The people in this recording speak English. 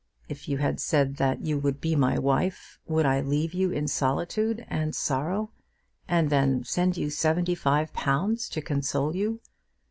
If you had said that you would be my wife, would I leave you in solitude and sorrow, and then send you seventy five pounds to console you?